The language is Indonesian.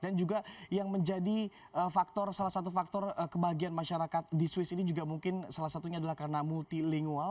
dan juga yang menjadi faktor salah satu faktor kebahagiaan masyarakat di swiss ini juga mungkin salah satunya adalah karena multilingual